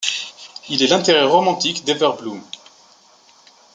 Il est l'intérêt romantique d'Ever Bloom.